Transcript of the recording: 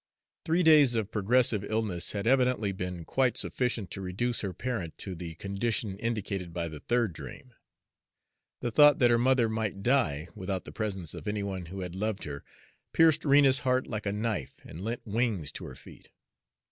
Three days of progressive illness had evidently been quite sufficient to reduce her parent to the condition indicated by the third dream. The thought that her mother might die without the presence of any one who loved her pierced Rena's heart like a knife and lent wings to her feet.